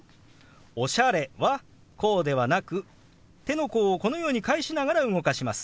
「おしゃれ」はこうではなく手の甲をこのように返しながら動かします。